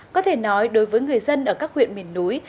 có thể nói đối với người dân ở các huyện miền núi